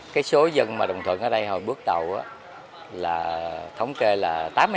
cái số dân mà đồng thuận ở đây hồi bước đầu là thống kê là tám mươi